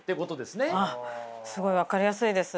すごい分かりやすいです。